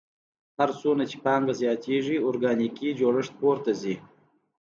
هر څومره چې پانګه زیاتېږي ارګانیکي جوړښت پورته ځي